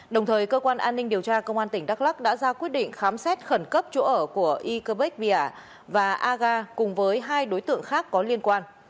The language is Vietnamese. đồng thời cơ quan an ninh điều tra công an tỉnh đắk lắc đã ra quyết định khám xét khẩn cấp chỗ ở của ikorek bia và aga cùng với hai đối tượng khác có liên quan